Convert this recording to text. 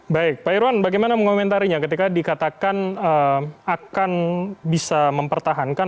baik pak irwan bagaimana mengomentarinya ketika dikatakan akan bisa mempertahankan